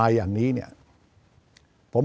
จะพิจารณาคม